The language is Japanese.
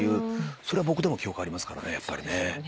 それは僕でも記憶ありますからねやっぱりね。